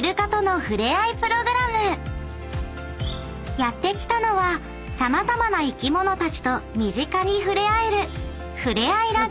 ［やって来たのは様々な生きものたちと身近にふれあえる］